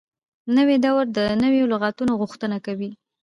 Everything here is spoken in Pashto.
نوې دوره د نوو لغاتو غوښتنه کوي.